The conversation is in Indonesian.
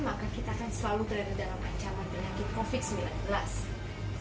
maka kita akan selalu berada dalam ancaman penyakit covid sembilan belas